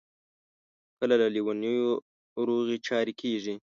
کله له لېونیو روغې چارې کیږي.